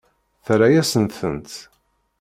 Terra-yasent-tent.